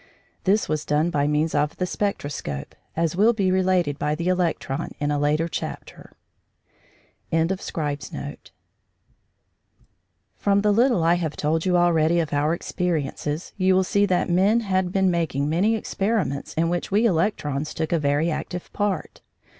This was done by means of the spectroscope, as will be related by the electron in a later chapter. CHAPTER VI MAN PAYS US SOME ATTENTION From the little I have told you already of our experiences, you will see that men had been making many experiments in which we electrons took a very active part.